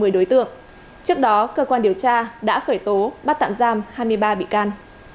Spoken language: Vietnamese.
một mươi đối tượng trước đó cơ quan điều tra đã khởi tố bắt tạm giam hai mươi ba bị can